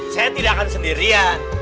saya tidak akan sendirian